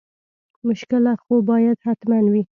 مشکله خو باید حتما وي.